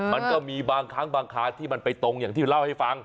มันก็มีบางครั้งบางคราที่มันไปตรงอย่างที่เล่าให้ฟัง